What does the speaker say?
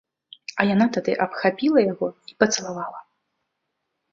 А яна тады абхапіла яго і пацалавала.